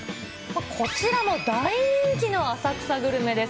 こちらも大人気の浅草グルメです。